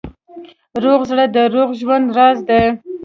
روغ زړه د روغ ژوند راز دی.